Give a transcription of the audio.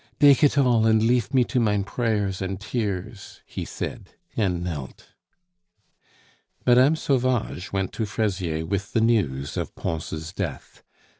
"Dake it all and leaf me to mein prayers and tears," he said, and knelt. Mme. Sauvage went to Fraisier with the news of Pons' death.